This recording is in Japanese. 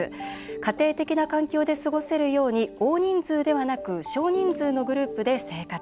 家庭的な環境で過ごせるように大人数ではなく少人数のグループで生活。